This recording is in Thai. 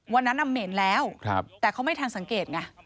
วันนั้นเหม็นแล้วแต่เขาไม่ทันสังเกตไง